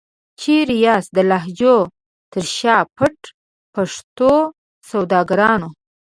چيري یاست د لهجو تر شا پټ د پښتو سوداګرانو؟